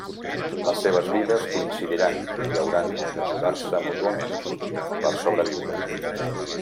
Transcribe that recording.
Les seves vides coincidiran i hauran d'ajudar-se mútuament per sobreviure.